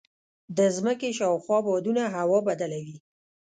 د ځمکې شاوخوا بادونه هوا بدله وي.